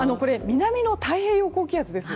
南の太平洋高気圧です。